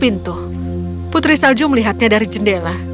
dia menemukan pintu putri salju melihatnya dari jendela